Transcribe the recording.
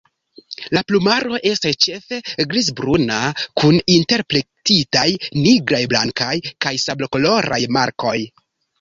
La plumaro estas ĉefe grizbruna kun interplektitaj nigraj, blankaj kaj sablokoloraj markoj.